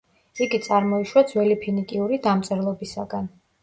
იგი წარმოიშვა ძველი ფინიკიური დამწერლობისაგან.